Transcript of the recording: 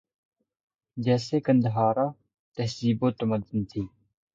جیسے قندھارا تہذیب و تمدن تھی